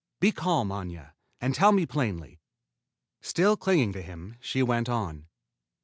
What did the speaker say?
"Be calm, Aña, and tell me plainly." Still clinging to him, she went on.